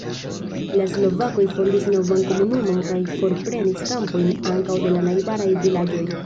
La slovakoj fondis novan komunumon kaj forprenis kampojn ankaŭ de la najbaraj vilaĝoj.